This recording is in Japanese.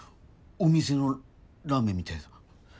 お店のラーメンみたいだ。